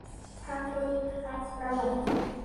พระพุทธประวัติ